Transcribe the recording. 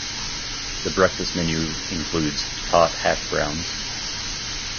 The breakfast menu includes tot hash browns.